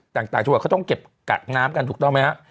ต่างช่วงว่าเขาต้องเก็บกักน้ำกันถูกต้องไหมครับ